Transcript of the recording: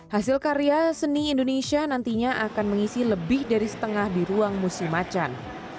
hasil karya seni indonesia nantinya akan mengisi lebih dari setengah di ruang musim acan